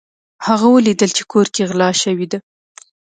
هغه ولیدل چې کور کې غلا شوې ده.